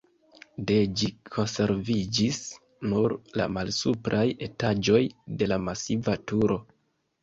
De ĝi konserviĝis nur la malsupraj etaĝoj de la masiva turo.